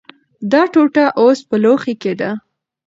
دا ټوټه اوس په لوښي کې ده.